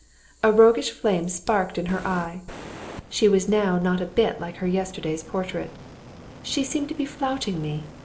A roguish flame sparkled in her eye. She was now not a bit like her yesterday's portrait. She seemed to be flouting me.